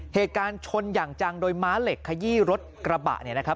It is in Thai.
เหตุการณ์ชนอย่างจังโดยม้าเหล็กขยี้รถกระบะ